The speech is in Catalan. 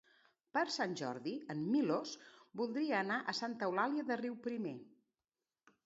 Per Sant Jordi en Milos voldria anar a Santa Eulàlia de Riuprimer.